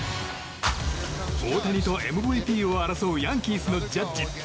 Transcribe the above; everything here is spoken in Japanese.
大谷とＭＶＰを争うヤンキースのジャッジ。